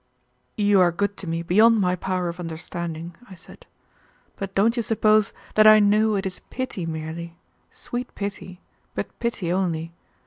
"You are good to me beyond my power of understanding," I said, "but don't you suppose that I know it is pity merely, sweet pity, but pity only.